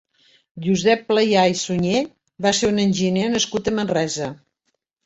Josep Playà i Suñer va ser un eginyer nascut a Manresa.